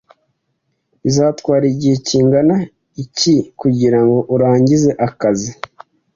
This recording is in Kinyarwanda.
Bizatwara igihe kingana iki kugirango urangize akazi?